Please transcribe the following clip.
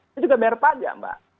saya juga bayar pajak mbak